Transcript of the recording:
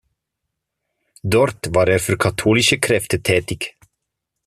Dort war er für katholische Kräfte tätig.